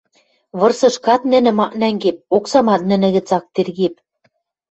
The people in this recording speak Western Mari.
Вырсышкат нӹнӹм ак нӓнгеп, оксамат нӹнӹ гӹц ак тергеп.